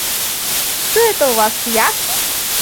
Что это у вас, пиявки?